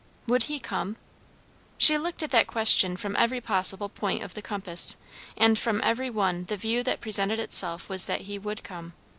Would he come? She looked at that question from every possible point of the compass, and from every one the view that presented itself was that he would come.